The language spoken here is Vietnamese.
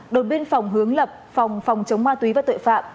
đồn biên phòng hướng lập phòng phòng chống ma túy và tội phạm